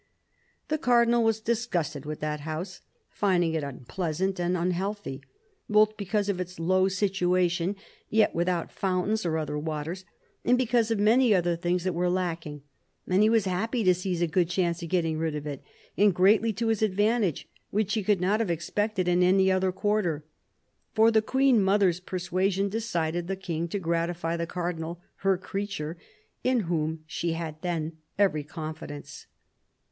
" The Cardinal was disgusted with that house, finding it unpleasant and unhealthy ; both because of its low situation, yet without fountains or other waters, and because of many other things that were lacking ; and he was happy to seize a good chance of getting rid of it, and greatly to his advantage ; which he could not have expected in any other quarter. For the Queen mother's persuasion decided the King to gratify the Cardinal her creature, in whom she had then every confidence."